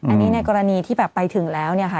อันนี้ในกรณีที่ไปถึงแล้วค่ะ